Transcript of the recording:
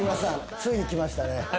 ついにきましたね。